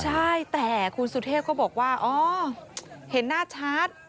ใช่แต่คุณสุเทพก็บอกว่าอ๋อเห็นหน้าชัด